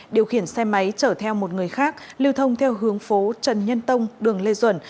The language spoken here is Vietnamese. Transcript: điều khiển xe máy chở theo một người khác lưu thông theo hướng phố trần nhân tông đường lê duẩn